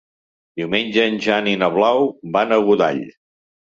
Diumenge en Jan i na Blau van a Godall.